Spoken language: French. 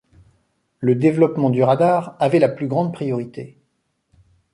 Le développement du radar avait la plus grande priorité.